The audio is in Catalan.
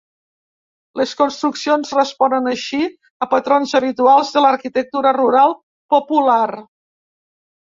Les construccions responen així a patrons habituals de l'arquitectura rural popular.